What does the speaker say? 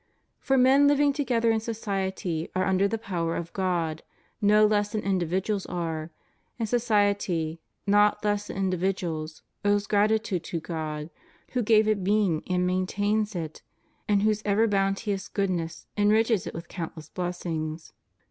For men li^^ng together in society are under the power of God no less than individuals are, and society, not less than indi viduals, owes gratitude to God, who gave it being and maintains it, and whose ever bounteous goodness enriches it with countless blessings.